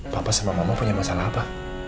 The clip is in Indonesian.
papa sama mama punya masalah apa